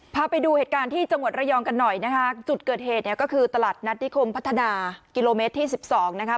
พาไปดูเหตุการณ์ที่จังหวัดระยองกันหน่อยนะคะจุดเกิดเหตุเนี่ยก็คือตลาดนัดนิคมพัฒนากิโลเมตรที่สิบสองนะคะ